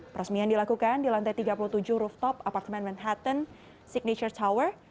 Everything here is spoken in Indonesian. peresmian dilakukan di lantai tiga puluh tujuh rooftop apartemen manhattan signature tower